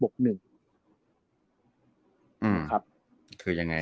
คือยังไง